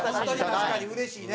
確かにうれしいね。